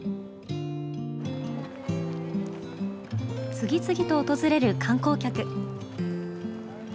次々と訪れる観光客。